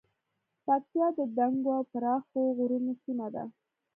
پکتیا د دنګو او پراخو غرونو سیمه ده